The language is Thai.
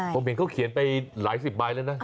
ผมเห็นเขาเขียนไปหลายสิบใบแล้วนะ